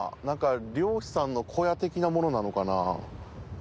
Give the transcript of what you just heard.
何か漁師さんの小屋的なものなのかな？